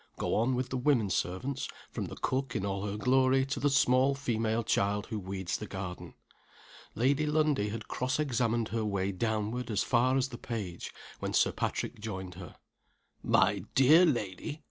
Go on with the women servants, from the cook in all her glory to the small female child who weeds the garden. Lady Lundie had cross examined her way downward as far as the page, when Sir Patrick joined her. "My dear lady!